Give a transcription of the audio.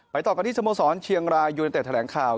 ไปต่อกันที่สมสรรค์เชียงรายุนิเตตแถลงข่าว